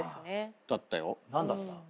何だった？